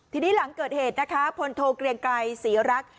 ทีนี้หลังเกิดเหตุนะคะพลโทเกลียงไกรศรีรัก